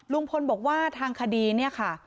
ลุงพลบอกว่าทางคดีเนี่ยค่ะ